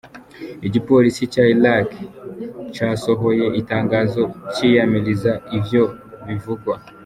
Igipolisi ca Irak casohoye itangazo ciyamiriza ivyo bivugwa.